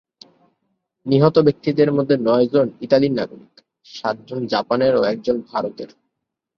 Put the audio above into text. নিহত ব্যক্তিদের মধ্যে নয়জন ইতালির নাগরিক, সাতজন জাপানের ও একজন ভারতের।